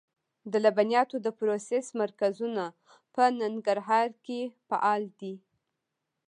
د لبنیاتو د پروسس مرکزونه په ننګرهار کې فعال دي.